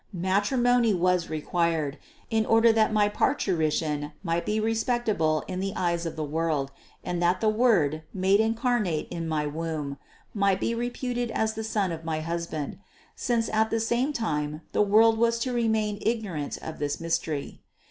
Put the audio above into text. Matrimony was required, in order that my parturition might be respectable in the eyes of the world, and that the Word, made incarnate in my womb, might be reputed as the son of my hus band, since at the same time the world was to remain ignorant of this mystery.